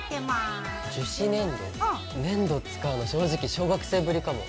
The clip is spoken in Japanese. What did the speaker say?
粘土使うの正直小学生ぶりかも。